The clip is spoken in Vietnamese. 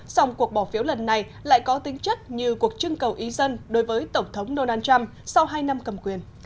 dòng cuộc bỏ phiếu lần này lại có tính chất như cuộc trưng cầu ý dân đối với tổng thống donald trump sau hai năm cầm quyền